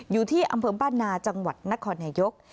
อยู่ที่อำเภอบ้านนาจังหวัดนครนายก